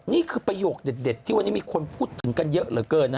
นี่คือประโยคเด็ดที่วันนี้มีคนพูดถึงกันเยอะเหลือเกินนะ